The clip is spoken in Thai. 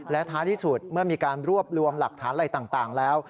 และท้ายที่สุดเมื่อมีการรวบรวมหลักฐานอะไรต่างแล้ว